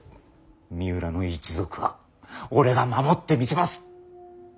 三浦の一族は俺が守ってみせます。